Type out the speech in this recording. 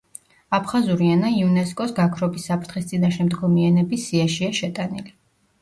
აფხაზური ენა იუნესკო-ს გაქრობის საფრთხის წინაშე მდგომი ენების სიაშია შეტანილი.